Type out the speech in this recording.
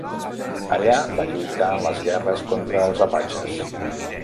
Allà, va lluitar en les guerres contra els apatxes.